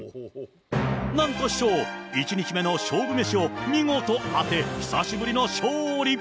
なんと師匠、１日目の勝負メシを見事当て、久しぶりの勝利。